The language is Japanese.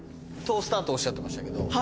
トースターっておっしゃってましたけど。